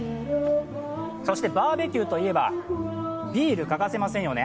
そしてバーベキューといえばビール、欠かせませんよね。